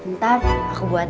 ntar aku buatin